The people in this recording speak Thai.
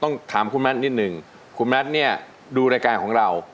ถามคุณแมทนิดนึงคุณแมทเนี่ยดูรายการของเรา